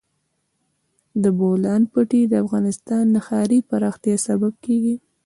د بولان پټي د افغانستان د ښاري پراختیا سبب کېږي.